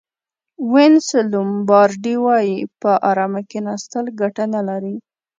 وینس لومبارډي وایي په ارامه کېناستل ګټه نه لري.